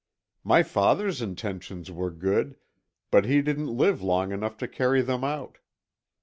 My father's intentions were good, but he didn't live long enough to carry them out.